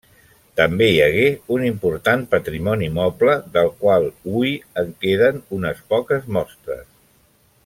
També hi hagué un important patrimoni moble, del qual hui en queden unes poques mostres.